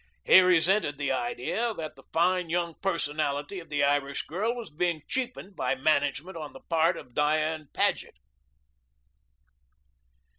He resented the idea that the fine, young personality of the Irish girl was being cheapened by management on the part of Diane Paget.